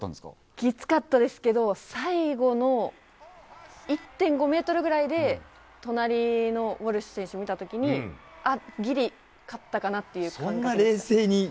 きつかったですけど最後の１．５ｍぐらいで隣のウォルシュ選手を見た時にあ、ギリ勝ったかなという感じで。